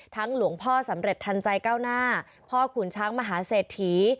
หลวงพ่อสำเร็จทันใจก้าวหน้าพ่อขุนช้างมหาเศรษฐี